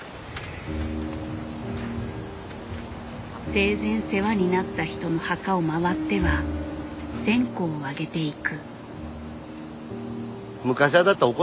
生前世話になった人の墓を回っては線香をあげていく。